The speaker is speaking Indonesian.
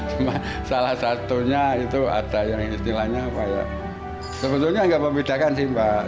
cuma salah satunya itu ada yang istilahnya apa ya sebetulnya nggak membedakan sih mbak